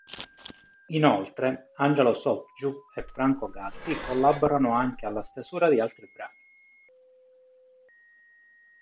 Inoltre, Angelo Sotgiu e Franco Gatti collaborano anche alla stesura di altri brani.